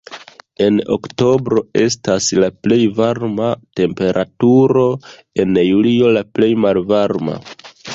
En oktobro estas la plej varma temperaturo, en julio la plej malvarma.